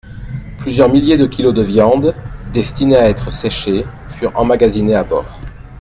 Plusieurs milliers de kilos de viande, destinée à être séchée, furent emmagasinés à bord.